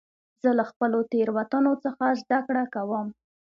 زه له خپلو تېروتنو څخه زدهکړه کوم.